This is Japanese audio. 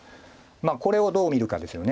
これをどう見るかですよね。